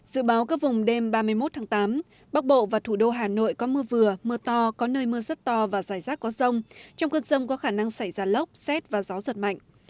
dự báo các vùng đêm ba mươi một tháng tám bắc bộ và thủ đô hà nội có mưa vừa mưa to có nơi mưa rất to và dài rác có rông trong cơn rông có khả năng xảy ra lốc xét và gió giật mạnh